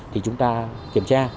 thì chúng ta kiểm tra